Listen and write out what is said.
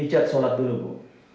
ijat sholat dulu bu